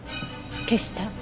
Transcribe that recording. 消した？